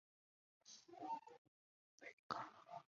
职场体验参访